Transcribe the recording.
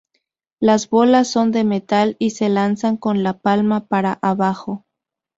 Las bolas son de metal y se lanzan con la palma para abajo.